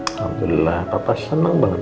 alhamdulillah papa seneng banget